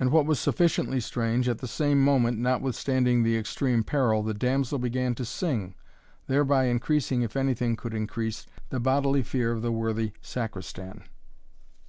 And what was sufficiently strange, at the same moment, notwithstanding the extreme peril, the damsel began to sing, thereby increasing, if anything could increase, the bodily fear of the worthy Sacristan.